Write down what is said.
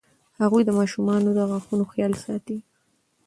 هغوی د ماشومانو د غاښونو خیال ساتي.